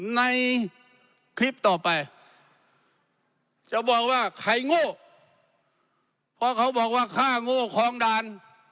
ในคลิปต่อไปจะบอกว่าใครโง่เพราะเขาบอกว่าฆ่าโง่คลองด่าน